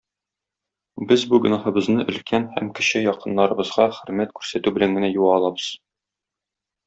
Без бу гөнаһыбызны өлкән һәм кече якыннарыбызга хөрмәт күрсәтү белән генә юа алабыз.